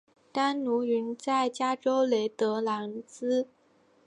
当奴云在加州雷德兰兹。